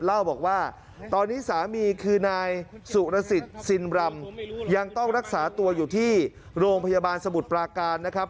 เล่าบอกว่าตอนนี้สามีคือนายสุรสิทธิ์ซินรำยังต้องรักษาตัวอยู่ที่โรงพยาบาลสมุทรปราการนะครับ